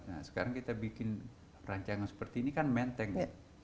nah sekarang kita bikin perancangan seperti ini kan mental